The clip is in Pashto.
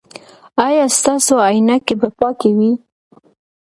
ایا ستاسو عینکې به پاکې وي؟